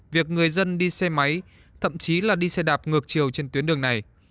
việc người dân đi xe máy thậm chí là đi xe đạp ngược chiều trên tuyến đường này